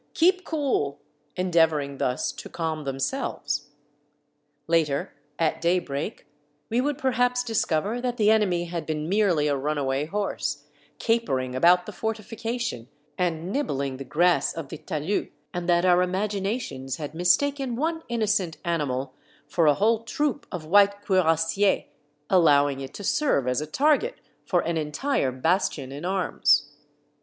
keep cool !" endeavoring thus to calm themselves. Later, at daybreak, we would perhaps discover that the enemy had been merely a runaway horse, capering about the fortification and nibbling the grass of the talus, and that our imaginations had mistaken one innocent animal for a whole troop of white cuirassiers, allowing it to serve as a target for an entire bastion in arms.